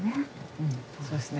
うんそうですね。